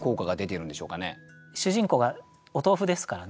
主人公がお豆腐ですからね。